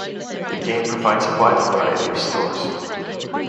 The game provides a wide variety of stores.